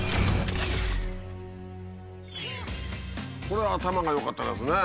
これは頭が良かったですね。